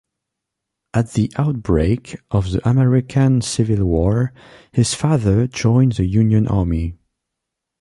At the outbreak of the American Civil War, his father joined the Union Army.